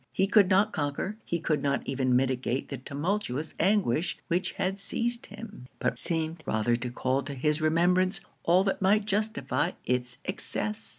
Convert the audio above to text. He could not conquer, he could not even mitigate the tumultuous anguish which had seized him; but seemed rather to call to his remembrance all that might justify it's excess.